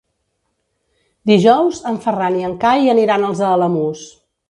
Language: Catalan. Dijous en Ferran i en Cai aniran als Alamús.